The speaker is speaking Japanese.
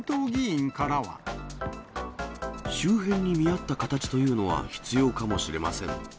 周辺に見合った形というのは必要かもしれません。